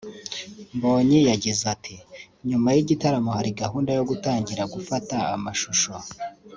Mbonyi yagize ati “ Nyuma y’igitaramo hari gahunda yo gutangira gufata amashusho